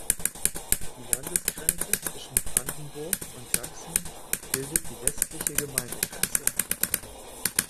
Die Landesgrenze zwischen Brandenburg und Sachsen bildet die westliche Gemeindegrenze.